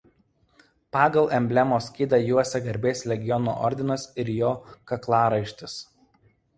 Pagal emblemos skydą juosia Garbės legiono ordinas ir jo kaklaraištis.